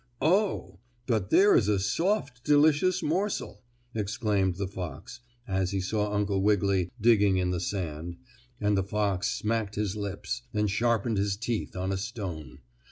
"Oh, but there is a soft, delicious morsel!" exclaimed the fox, as he saw Uncle Wiggily digging in the sand, and the fox smacked his lips, and sharpened his teeth on a stone.